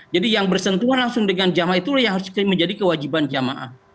jadi yang bersentuhan langsung dengan jama'ah itu yang harus menjadi kewajiban jama'ah